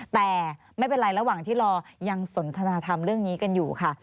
แต่ไม่เป็นไรระหว่างที่รอยังสนทนาธรรมเรื่องนี้กันอยู่ค่ะ